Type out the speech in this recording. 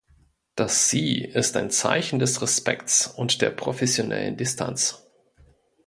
Das "Sie" ist ein Zeichen des Respekts und der professionellen Distanz.